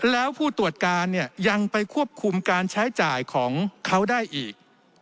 แล้วผู้ตรวจการเนี่ยยังไปควบคุมการใช้จ่ายของเขาได้อีก